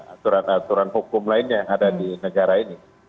aturan aturan hukum lainnya yang ada di negara ini